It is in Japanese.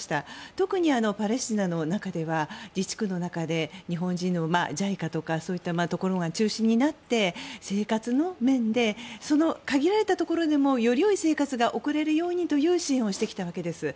特にパレスチナの中では自治区の中で、日本人のＪＩＣＡとかそういったところが中心になって生活の面で限られたところでもよりよい生活が送れるようにという支援をしてきたわけです。